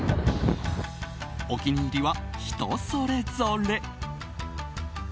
お気に入りは、人それぞれ。